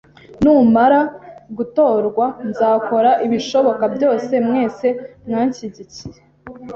Numara gutorwa, nzakora ibishoboka byose mwese mwanshigikiye.